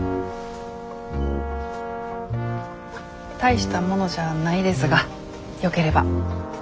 大したものじゃないですがよければ。